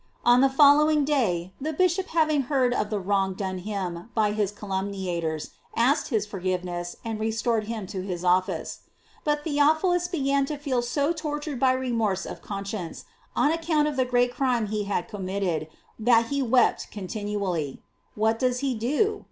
On the following day the bishop having heard of the wrong done him by his calumniators, asked his forgiveness, and restored him to his office. But Theophilus began then to feel so tortured by remorse of conscience on account of the great crime he had committed, that he wept continually. What does he do?